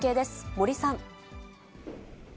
森さん。